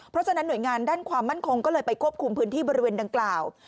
เพราะฉะนั้นหน่วยงานด้านความมั่นคงก็เลยไปควบคุมพื้นที่บริเวณดังกล่าว